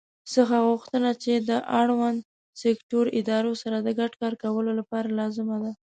څخه غوښتي چې له اړوندو سکټوري ادارو سره د ګډ کار کولو لپاره لازمه